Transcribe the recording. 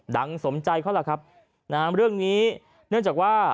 สมใจเขาล่ะครับนะฮะเรื่องนี้เนื่องจากว่า